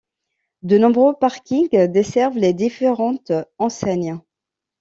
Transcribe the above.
De nombreux parkings desservent les différentes enseignes.